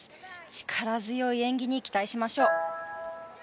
力強い演技に期待しましょう。